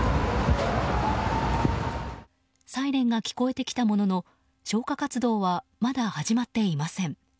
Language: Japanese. サイレンが聞こえてきたものの消火活動はまだ始まっていません。